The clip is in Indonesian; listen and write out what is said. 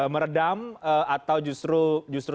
meredam atau justru